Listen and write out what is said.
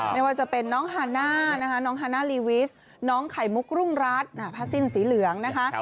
ไม่ว่าจะเป็นน้องฮาน่านะคะน้องฮาน่าลีวิสน้องไข่มุกรุงรัฐผ้าสิ้นสีเหลืองนะคะ